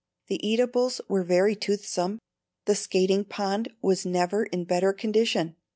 The eatables were very toothsome. The skating pond was never in better condition.